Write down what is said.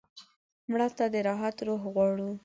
مړه ته د راحت روح غواړو